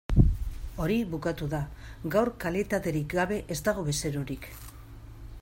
Hori bukatu da, gaur kalitaterik gabe ez dago bezerorik.